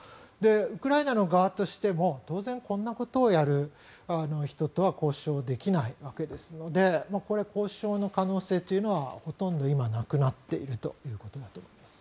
ウクライナの側としても当然、こんなことをやる人とは交渉できないわけですのでこれは交渉の可能性というのはほとんど今、なくなっているということだと思います。